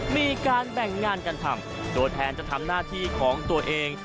มีการแบ่งงานกันทำตัวแทนจะทำหน้าที่ของตัวเอง